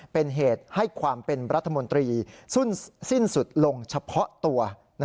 เป็นเหตุให้ความเป็นรัฐมนตรีสิ้นสุดลงเฉพาะตัว